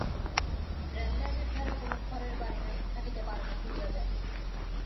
Rail লাইনের ধারে কোনো খড়ের বাড়ি নাই, থাকিতে পারে না, পুড়িয়া যায়।